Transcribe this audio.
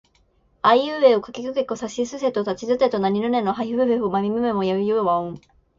あいうえおかきくけこさしすせそたちつてとなにぬねのはひふへほまみむめもやゆよわをん